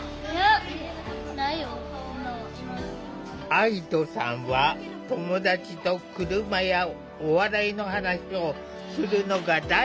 愛土さんは友達と車やお笑いの話をするのが大好き！